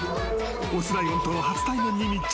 オスライオンとの初体面に密着。